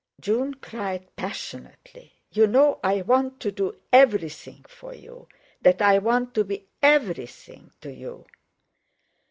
June cried passionately: "You know I want to do everything for you—that I want to be everything to you...."